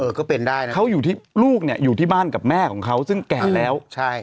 ก็เป็นได้นะเขาอยู่ที่ลูกเนี่ยอยู่ที่บ้านกับแม่ของเขาซึ่งแก่แล้วใช่